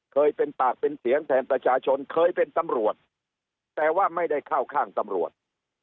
เคยเป็นปากเป็นเสียงแทนประชาชนเคยเป็นตำรวจแต่ว่าไม่ได้เข้าข้างตำรวจ